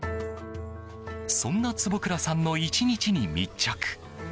そんな坪倉さんの１日に密着。